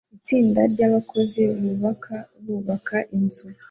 Itsinda ryabakozi bubaka bubaka inzu